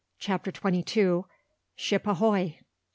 CHAPTER TWENTY TWO. SHIP AHOY!